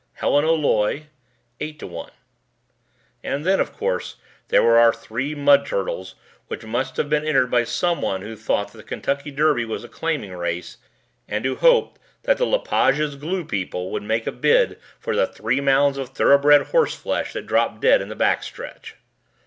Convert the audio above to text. Helen O'Loy 8:1 And then, of course, there were our three mud turtles which must have been entered by someone who thought that the Kentucky Derby was a claiming race and who hoped that the LePage's Glue people would make a bid for the three mounds of thoroughbred horseflesh that dropped dead in the backstretch: 7.